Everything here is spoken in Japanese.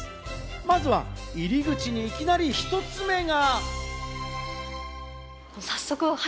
まずは入り口にいきなり１つ目が。